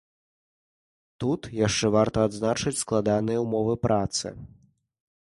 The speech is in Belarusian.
Тут яшчэ варта адзначыць складаныя ўмовы працы.